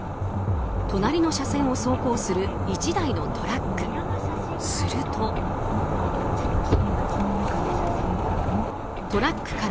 隣の車線を走行する１台のトラック。